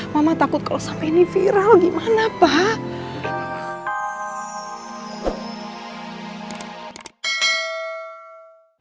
mama takut kalau sampai ini viral gimana pak